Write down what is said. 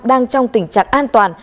đang trong tình trạng an toàn